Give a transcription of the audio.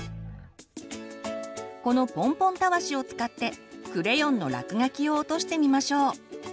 このポンポンたわしを使ってクレヨンの落書きを落としてみましょう。